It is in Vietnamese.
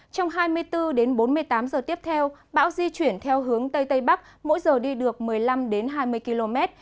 trong hai mươi bốn đến bốn mươi tám giờ tiếp theo bão di chuyển theo hướng tây tây bắc mỗi giờ đi được một mươi năm hai mươi km